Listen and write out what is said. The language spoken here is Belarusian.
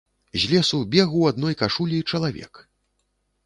З лесу бег у адной кашулі чалавек.